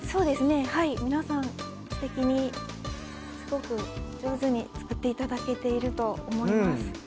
皆さん、素敵にすごく上手に作っていただけていると思います。